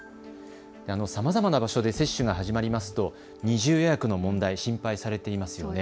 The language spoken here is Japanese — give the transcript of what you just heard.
さまざまな場所で接種が始まりますと二重予約の問題、心配されていますよね。